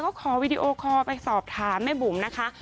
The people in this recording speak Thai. ขอวิดีโอคอล์ขอไปสอบถามแม่บุ่มอ่ะ